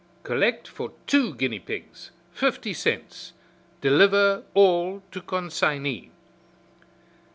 Collect for two guinea pigs, fifty cents. Deliver all to consignee."